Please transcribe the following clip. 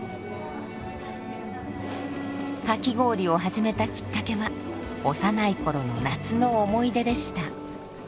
かき氷を始めたきっかけは幼い頃の夏の思い出でした。